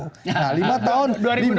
nah lima tahun